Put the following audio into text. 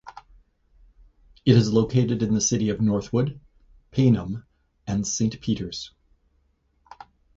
It is located in the City of Norwood Payneham and Saint Peters.